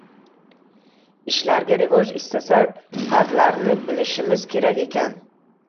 Ishlarga rivoj istasak hadlarni bilishimiz kerak ekan.